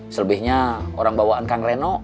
selebihnya orang bawaan kang reno